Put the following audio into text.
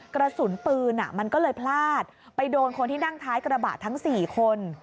กระสุนปืนมันก็เลยพลาดไปโดนคนที่นั่งท้ายกระบะทั้ง๔คน